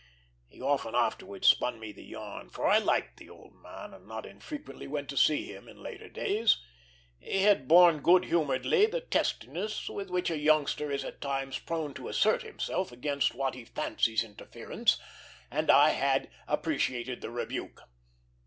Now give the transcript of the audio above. He often afterwards spun me the yarn; for I liked the old man, and not infrequently went to see him in later days. He had borne good humoredly the testiness with which a youngster is at times prone to assert himself against what he fancies interference, and I had appreciated the rebuke.